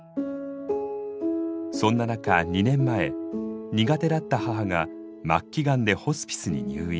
そんな中２年前苦手だった母が末期がんでホスピスに入院。